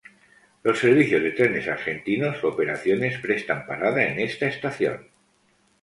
Los servicios de Trenes Argentinos Operaciones prestan parada en esta estación.